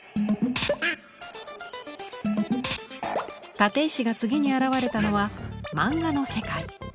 立石が次に現れたのはマンガの世界。